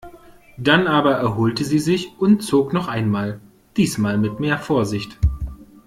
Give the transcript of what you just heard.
Dann aber erholte sie sich und zog noch einmal, diesmal mit mehr Vorsicht.